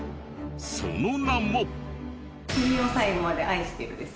その名も。